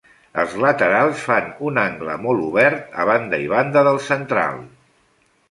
Els laterals fan un angle molt obert, a banda i banda del central.